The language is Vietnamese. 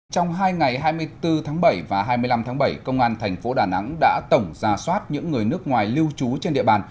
trong hai ngày hai mươi bốn tháng bảy và hai mươi năm tháng bảy công an thành phố đà nẵng đã tổng ra soát những người nước ngoài lưu trú trên địa bàn